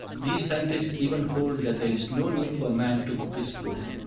These scientists even hold that there is no need for man to cook his food.